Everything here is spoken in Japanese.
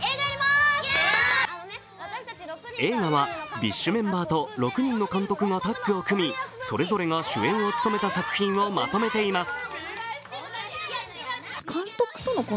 映画は、ＢｉＳＨメンバーと６人の監督がタッグを組みそれぞれが主演を務めた作品をまとめています。